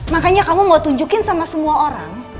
makanya kamu mau tunjukin sama semua orang